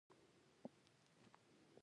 بیخي د ټپې نه و غورځېد.